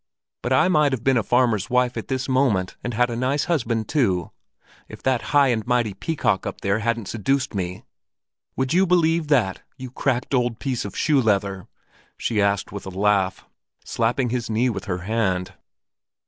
But I might have been a farmer's wife at this moment and had a nice husband too, if that high and mighty peacock up there hadn't seduced me. Would you believe that, you cracked old piece of shoe leather?" she asked with a laugh, slapping his knee with her hand.